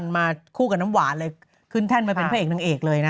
มาคู่กับน้ำหวานเลยขึ้นแท่นมาเป็นพระเอกนางเอกเลยนะ